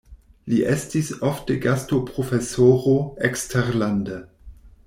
Li estis ofte gastoprofesoro eksterlande.